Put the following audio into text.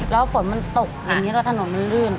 แล้วฝนมันตกอย่างนี้แล้วถนนมันลื่น